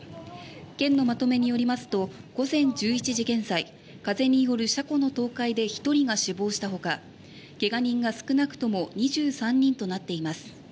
県のまとめによりますと午前１１時現在風による車庫の倒壊で１人が死亡したほか怪我人が少なくとも２３人となっています。